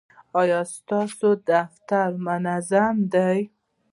ایا ستاسو دفتر منظم دی؟